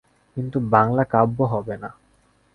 কিন্তু বাংলা কাব্যে হবে না।